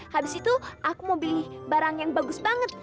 habis itu aku mau beli barang yang bagus banget